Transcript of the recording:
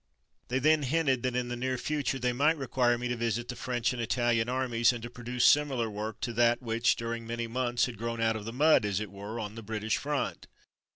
They then hinted that in the near future they might require me to visit the French and Italian armies, and to produce similar work to that which, during many months, had grown out of the mud, as it were, on the British front.